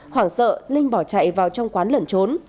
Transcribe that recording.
hoảng sợ linh bỏ chạy vào trong quán lẩn trốn